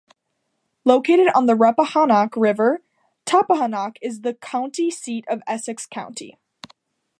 Located on the Rappahannock River, Tappahannock is the county seat of Essex County.